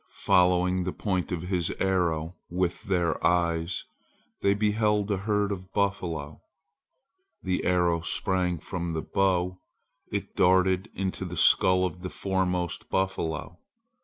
Following the point of his arrow with their eyes, they beheld a herd of buffalo. The arrow sprang from the bow! It darted into the skull of the foremost buffalo.